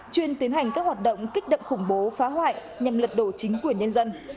chuyên tiến hành các hoạt động kích động khủng bố phá hoại nhằm lật đổ chính quyền nhân dân